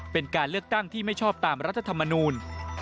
เป็นการเลือกตั้งที่ไม่ชอบตามรัฐธรรมนูล